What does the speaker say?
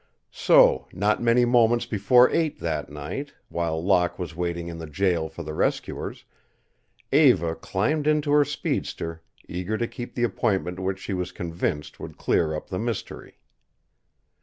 So, not many moments before eight that night, while Locke was waiting in the jail for the rescuers, Eva climbed into her speedster, eager to keep the appointment which she was convinced would clear up the mystery.